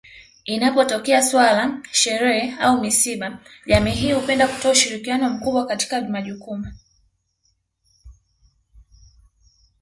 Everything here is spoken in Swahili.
Inapotokea suala sherehe au misiba jamii hii hupenda kutoa ushirikiano mkubwa katika majukumu